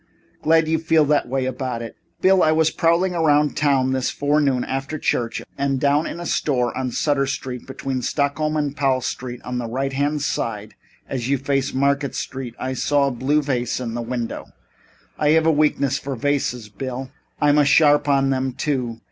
Glad you feel that way about it. Bill, I was prowling around town this forenoon, after church, and down in a store on Sutter Street, between Stockton and Powell Street, on the right hand side as you face Market Street, I saw a blue vase in a window. I have a weakness for vases, Bill. I'm a sharp on them, too.